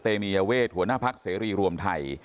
เตมียเวทหัวหน้าพักเสรีรวมไทย